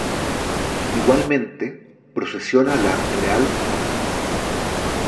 Igualmente, procesiona la "Real Hdad.